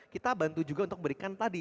kita bantu juga untuk berikan tadi